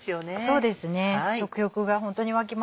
そうですね。